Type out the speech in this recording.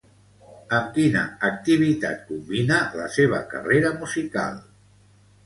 Amb quina activitat combina la seva carrera musical?